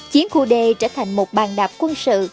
chiến khu d trở thành một bàn đạp quân sự